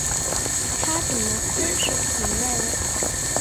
他怎么空手回来了？